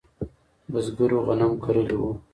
بزګرو غنم کرلی و.